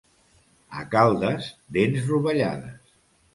A Caldes, dents rovellades.